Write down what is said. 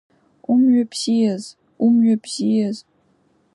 Умҩа бзиаз, умҩа бзиаз!